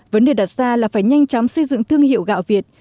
vấn đề đặt ra là phải nhanh chóng xây dựng thương hiệu gạo việt